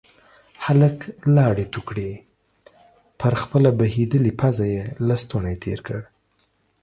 هلک لاړې تو کړې، پر خپله بهيدلې پزه يې لستوڼی تير کړ.